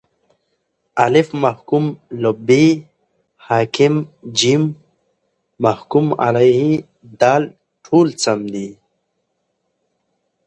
الف: محکوم له ب: حاکم ج: محکوم علیه د: ټوله سم دي